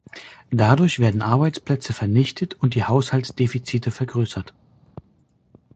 Dadurch werden Arbeitsplätze vernichtet und die Haushaltsdefizite vergrößert.